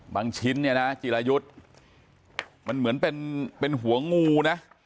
ชิ้นเนี่ยนะจิรายุทธ์มันเหมือนเป็นหัวงูนะ